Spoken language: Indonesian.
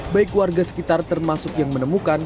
baik warga sekitar termasuk yang menemukan